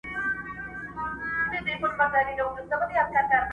بس ور پاته دا یو نوم یو زوړ ټغر دی!